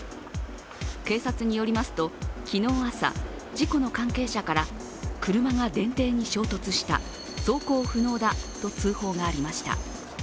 警察によりますと、昨日朝、事故の関係者から車が電停に衝突した走行不能だと通報がありました。